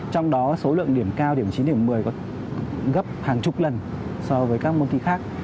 trong đó số lượng điểm cao điểm chín điểm một mươi có gấp hàng chục lần so với các môn thi khác